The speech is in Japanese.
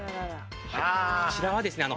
こちらはですね